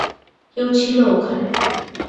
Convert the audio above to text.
কেউ ছিল ওখানে।